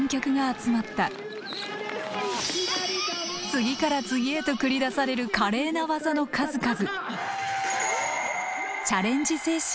次から次へと繰り出される華麗な技の数々。